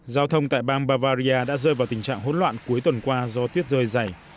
giao thông tại bang bavaria đã rơi vào tình trạng hỗn loạn cuối tuần qua do tuyết rơi dày